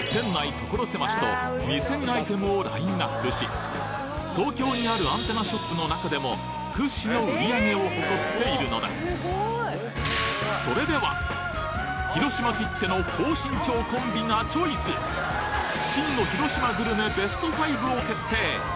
所狭しと２，０００アイテムをラインナップし東京にあるアンテナショップの中でも屈指の売上を誇っているのだ広島きっての高身長コンビがチョイスを決定！